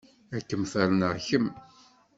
Ad kem-ferneɣ kemm!